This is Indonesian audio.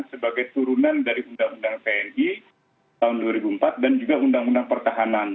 sebagai turunan dari undang undang tni tahun dua ribu empat dan juga undang undang pertahanan